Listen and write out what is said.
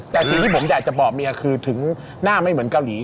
แต่สิ่งที่ผมอยากจะบอกเมียคือถึงหน้าไม่เหมือนเกาหลี